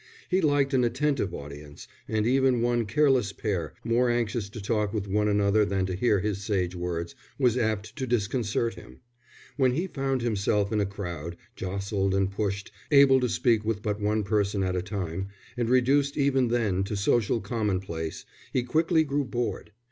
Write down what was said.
He liked an attentive audience; and even one careless pair, more anxious to talk with one another than to hear his sage words, was apt to disconcert him. When he found himself in a crowd, jostled and pushed, able to speak with but one person at a time, and reduced even then to social commonplace, he quickly grew bored.